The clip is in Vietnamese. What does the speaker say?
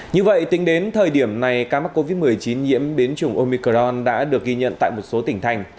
như vậy tính đến thời điểm này ca mắc covid một mươi chín nhiễm biến chủng omicron đã được ghi nhận tại một số tỉnh thành